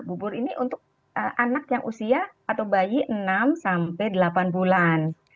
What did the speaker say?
bubur ini untuk anak yang usia atau bayi enam sampai delapan bulan